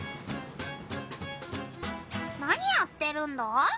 何やってるんだ？